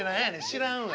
知らんわ。